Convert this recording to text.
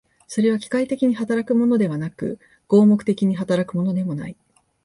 それは機械的に働くのではなく、合目的的に働くのでもない。